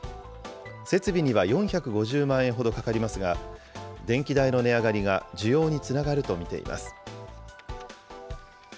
設備には４５０万円ほどかかりますが、電気代の値上がりが需要につながると見ています。